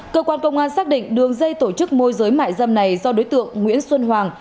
cơ quan công an xác định đường dây tổ chức môi giới mại dâm này do đối tượng nguyễn xuân hoàng